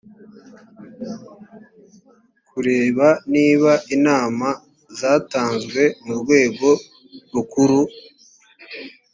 kureba niba inama zatanzwe mu rwego rukuru